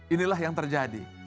inilah yang terjadi